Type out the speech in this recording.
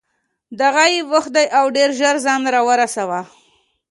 دغه یې وخت دی او ډېر ژر ځان را ورسوه.